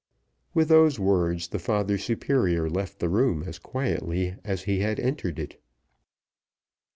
With those words the father superior left the room as quietly as he had entered it.